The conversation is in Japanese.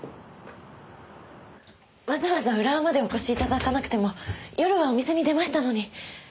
わざわざ浦和までお越し頂かなくても夜はお店に出ましたのに。